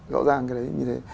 rõ ràng cái đấy như thế